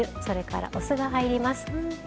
それからお酢が入ります。